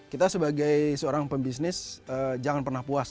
kita sebagai seorang pebisnis jangan pernah puas